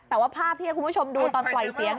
แต่ว่าภาพที่ให้คุณผู้ชมดูตอนปล่อยเสียง